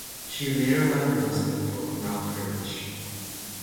She later left her husband for Conall Cernach.